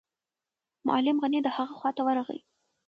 معلم غني د هغه خواته ورغی.